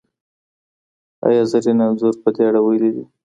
ایا زرین انځور په دې اړه ویلي دي؟